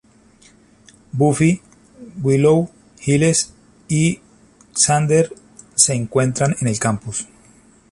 Buffy, Willow, Giles y Xander se encuentran en el campus.